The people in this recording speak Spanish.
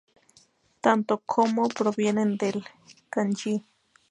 Tanto へ como ヘ provienen del kanji 部.